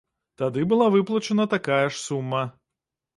Тады была выплачана такая ж сума.